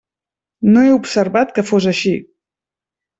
No he observat que fos així.